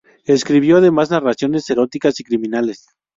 Escribió además narraciones eróticas y criminales.